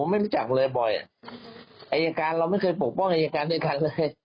ไม่รู้จักเลยบ่อยอายการเราไม่เคยปกป้องอายการด้วยกันเลย